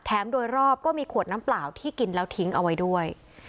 โดยรอบก็มีขวดน้ำเปล่าที่กินแล้วทิ้งเอาไว้ด้วย